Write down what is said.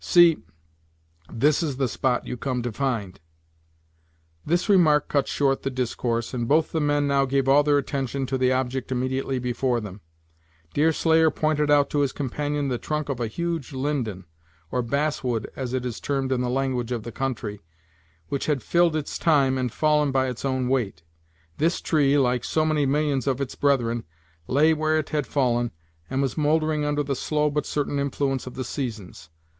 See; this is the spot you come to find!" This remark cut short the discourse, and both the men now gave all their attention to the object immediately before them. Deerslayer pointed out to his companion the trunk of a huge linden, or bass wood, as it is termed in the language of the country, which had filled its time, and fallen by its own weight. This tree, like so many millions of its brethren, lay where it had fallen, and was mouldering under the slow but certain influence of the seasons.